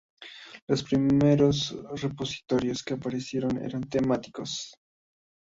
Los primeros repositorios que aparecieron eran temáticos.